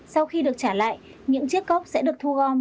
sau khi được trả lại những chiếc cốc sẽ được thu gom